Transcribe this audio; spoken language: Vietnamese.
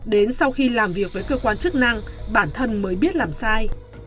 đến sau khi làm việc với cơ quan chức năng bản thân mới biết làm sai